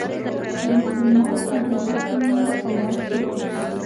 د مسلمان پرده ساتل لوی ثواب لري.